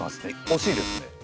おしいですね。